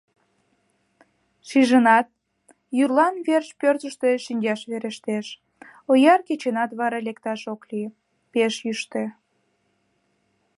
Шижыныт: йӱрлан верч пӧртыштӧ шинчаш верештеш, ояр кечынат вара лекташ ок лий: пеш йӱштӧ.